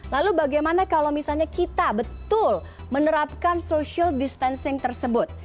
lalu bagaimana kalau misalnya kita betul menerapkan social distancing tersebut